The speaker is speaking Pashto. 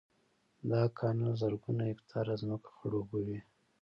دا کانال زرګونه هکټاره ځمکه خړوبوي